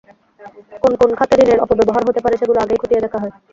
কোন কোন খাতে ঋণের অপব্যবহার হতে পারে, সেগুলো আগেই খতিয়ে দেখা হয়।